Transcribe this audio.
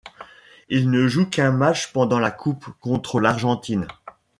Il ne joue qu'un match pendant la coupe, contre l'Argentine.